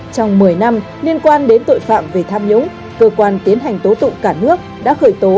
trong một mươi năm liên quan đến tội phạm về tham nhũng cơ quan tiến hành tố tụng cả nước đã khởi tố